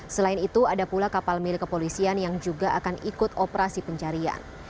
selain itu ada pula kapal milik kepolisian yang juga akan ikut operasi pencarian